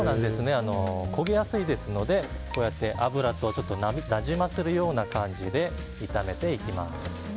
焦げやすいですのでこうやって脂となじませるような感じで炒めていきます。